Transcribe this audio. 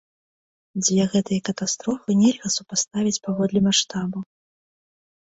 Дзве гэтыя катастрофы нельга супаставіць паводле маштабу.